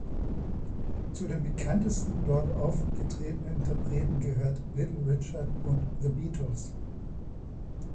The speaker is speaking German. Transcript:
Zu den bekanntesten dort aufgetretenen Interpreten gehörten Little Richard und The Beatles.